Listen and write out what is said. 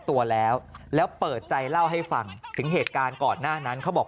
ตัวแล้วแล้วเปิดใจเล่าให้ฟังถึงเหตุการณ์ก่อนหน้านั้นเขาบอก